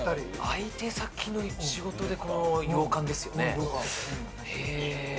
相手先の仕事で洋館ですよね？